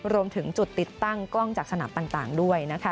รวมถึงจุดติดตั้งกล้องจากสนามต่างด้วยนะคะ